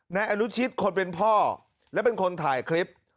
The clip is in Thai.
นายอนุชิตคนเป็นพ่อและเป็นคนถ่ายคลิป